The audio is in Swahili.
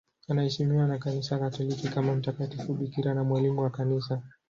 Anaheshimiwa na Kanisa Katoliki kama mtakatifu bikira na mwalimu wa Kanisa.